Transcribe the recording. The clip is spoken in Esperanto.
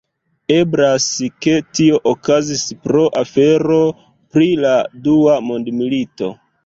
Eblas ke tio okazis pro afero pri la Dua Mondmilito.